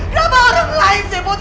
kenapa orang lain sih putri